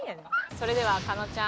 それでは加納ちゃん